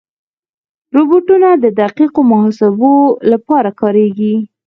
روبوټونه د دقیقو محاسبو لپاره کارېږي.